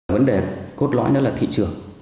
vấn đề cốt lõi đó là thị trường